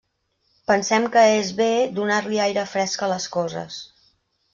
Pensem que és bé donar-li aire fresc a les coses.